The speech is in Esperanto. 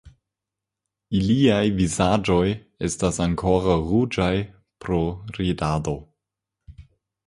Iliaj vizaĝoj estas ankoraŭ ruĝaj pro ridado.